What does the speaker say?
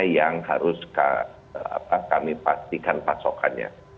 yang harus kami pastikan pasokannya